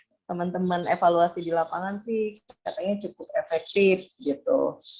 menurut hasil investigasi ya teman teman evaluasi di lapangan sih katanya cukup efektif gitu